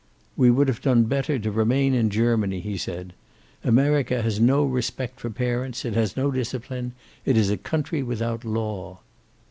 "We would have done better to remain in Germany," he said. "America has no respect for parents. It has no discipline. It is a country without law."